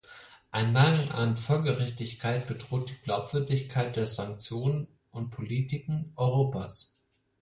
Ein Mangel an Folgerichtigkeit bedroht die Glaubwürdigkeit der Sanktionen und Politiken Europas.